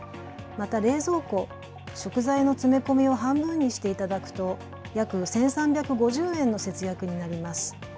冷蔵庫、食材の詰め込みを半分にしていただくと約１３５０円の節約になります。